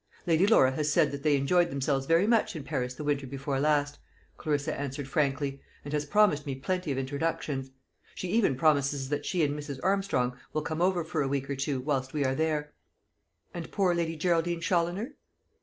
"Lady Laura has said that they enjoyed themselves very much in Paris the winter before last," Clarissa answered frankly; "and has promised me plenty of introductions. She even promises that she and Mrs. Armstrong will come over for a week or two, while we are there." "And poor Lady Geraldine Challoner?"